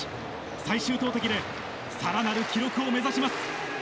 最終投てきで、さらなる記録を目指します。